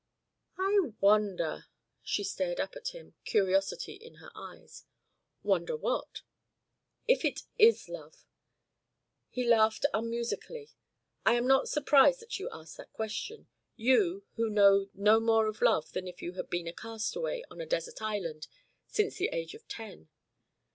"I wonder?" She stared up at him, curiosity in her eyes. "Wonder what?" "If it is love?" He laughed unmusically. "I am not surprised that you ask that question you, who know no more of love than if you had been a castaway on a desert island since the age of ten.